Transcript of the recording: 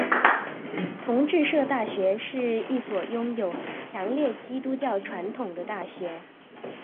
同志社大学是一所拥有强烈基督教传统的大学。